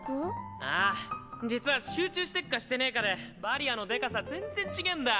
ああ実は集中してっかしてねぇかでバリアのデカさ全ッ然違ぇんだ。